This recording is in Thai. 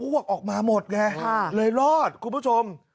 วกออกมาหมดไงเลยรอดคุณผู้ชม